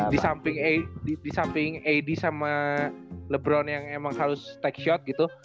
di samping ad sama lebaran yang emang harus take shot gitu